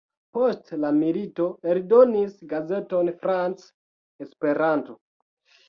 Post la milito eldonis gazeton France-Esperanto.